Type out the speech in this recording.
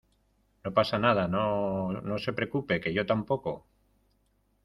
no pasa nada. no, no se preocupe que yo tampoco